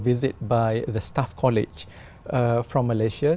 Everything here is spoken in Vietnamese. với đội trưởng của malaysia